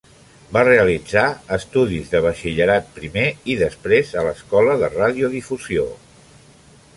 Va realitzar estudis de Batxillerat primer i, després, a l'Escola de Radiodifusió.